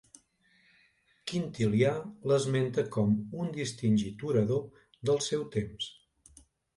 Quintilià l'esmenta com un distingit orador del seu temps.